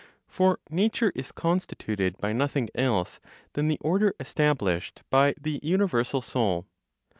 For nature is constituted by nothing else than the order established by the universal Soul.